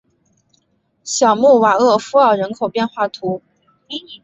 小穆瓦厄夫尔人口变化图示